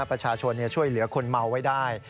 ประชาชนช่วยเหลือคนเมาไว้ได้